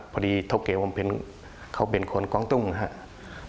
พอดีโตเกียวผมเขาเป็นคนกองตุ้งครับ